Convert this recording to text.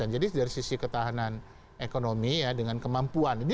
jadi dari sisi ketahanan ekonomi dengan kemampuan